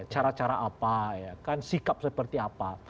cara cara apa sikap seperti apa